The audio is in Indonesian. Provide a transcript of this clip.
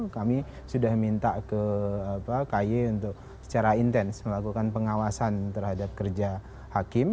kami sudah minta ke ky untuk secara intens melakukan pengawasan terhadap kerja hakim